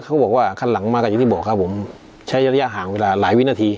เขาบอกว่าคันหลังมาก็อย่างที่บอกครับผมใช้ระยะห่างเวลาหลายวินาที